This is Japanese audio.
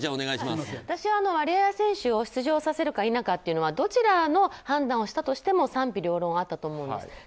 私はワリエワ選手を出場させるか否かはどちらの判断をしたとしても賛否両論あったと思うんです。